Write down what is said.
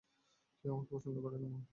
কেউ আমাকে পছন্দ করে না, মা।